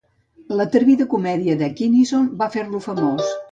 L'atrevida comèdia de Kinison va fer-lo famós.